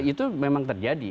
itu memang terjadi